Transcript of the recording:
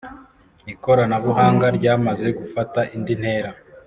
ikoranabuhanga ryamaze gufata indi ntera